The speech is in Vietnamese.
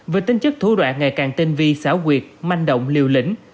với tinh chất thủ đoạn ngày càng tinh vi xảo quyệt manh động liều lĩnh